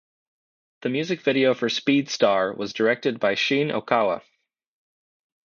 The music video for "Speed Star" was directed by Shin Okawa.